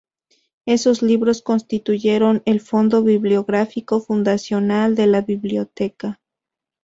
Esos libros constituyeron el fondo bibliográfico fundacional de la biblioteca.